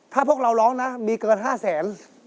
ถ้าพวกเราร้องนะมีเกิน๕แสน